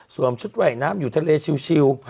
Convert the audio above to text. สวมชุดแหว่งน้ำอยู่ทะเลชิว